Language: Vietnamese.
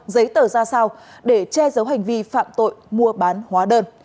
giấy tờ ra sao để che giấu hành vi phạm tội mua bán hóa đơn